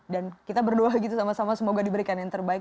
dan kita berdua gitu sama sama semoga diberikan yang terbaik